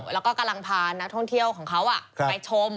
แล้วก็กำลังพานักท่องเที่ยวของเขาไปชม